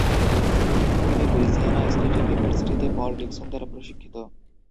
তিনি Louisiana State ইউনিভার্সিটিতে Paul Dickson দ্বারা প্রশিক্ষিত।